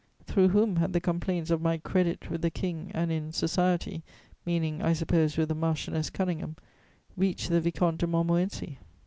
Through whom had the complaints of my "credit" with the King and in "society" (meaning, I suppose, with the Marchioness Conyngham) reached the Vicomte de Montmorency?